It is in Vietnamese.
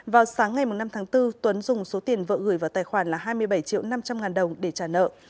vào sáng ngày năm tháng bốn tuấn dùng số tiền vợ gửi vào tài khoản là hai mươi bảy triệu năm trăm linh ngàn đồng để trả nợ